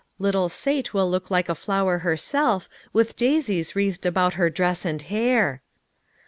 " Little Sate will look like a flower herself, with daisies wreathed about her dress and hair."